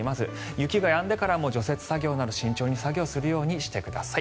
雪がやんでからも除雪作業など慎重に作業するようにしてください。